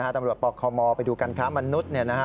ตำรวจปคมไปดูการค้ามนุษย์